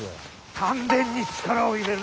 丹田に力を入れるんだ。